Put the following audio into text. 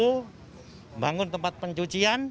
membangun tempat pencucian